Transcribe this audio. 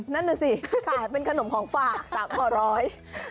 นั่นแหละสิก่อนเป็นขนมของฝาก๓ข่าวร้อย